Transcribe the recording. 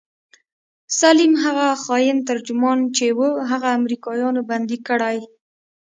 سليم هغه خاين ترجمان چې و هغه امريکايانو بندي کړى.